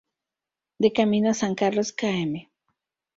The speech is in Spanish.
De Camino a San Carlos Km.